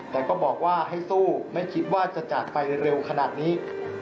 แต่ก็บอกว่าให้สู้ไม่คิดว่าจะจากไปเร็วขนาดนี้